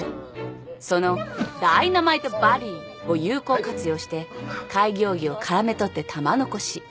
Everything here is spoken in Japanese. そのダイナマイトボディーを有効活用して開業医をからめとって玉のこし。